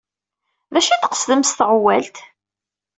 D acu ay d-tqesdem s teɣwalt?